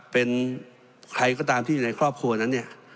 เป็นใครก็ตามที่อยู่ในครอบครัวนั้นเนี่ย